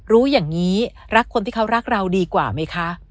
รู้อย่างนี้รักคนที่เขารักเราดีกว่าไหมคะ